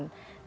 di jawa barat